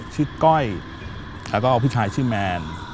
ก้อยแล้วก็ผู้ชายชื่อแมน